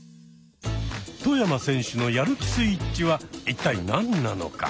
外山選手のやる気スイッチは一体何なのか？